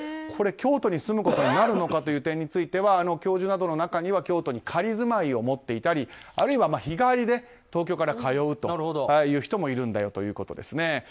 京都に住むことになるのかという点については教授などの中には京都に仮住まいを持っていたりあるいは日帰りで東京から通うという人もいるんだということですね。